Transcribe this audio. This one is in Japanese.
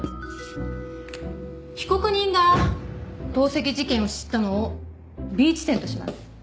被告人が投石事件を知ったのをＢ地点とします。